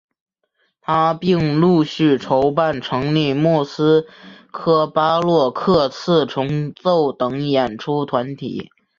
他并陆续筹办成立莫斯科巴洛克四重奏等演出团体。